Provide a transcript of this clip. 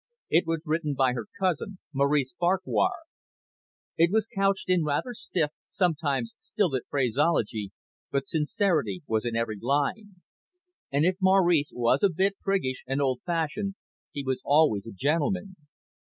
It was written by her cousin, Maurice Farquhar. It was couched in rather stiff, sometimes stilted phraseology, but sincerity was in every line. And, if Maurice was a bit priggish and old fashioned, he was always a gentleman.